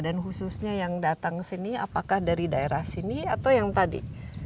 dan khususnya yang datang ke sini apakah dari daerah sini atau yang tadi